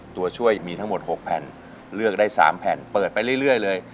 ตัวช่วยมีทั้งหมด๖แผ่นเลือกได้๓แผ่นเปิดไปเรื่อยเลย